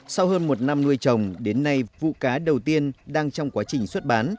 sau hơn một năm nuôi trồng đến nay vụ cá đầu tiên đang trong quá trình xuất bán